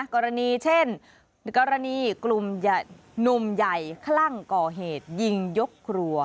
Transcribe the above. กรณีเช่นกรณีกลุ่มหนุ่มใหญ่คลั่งก่อเหตุยิงยกครัว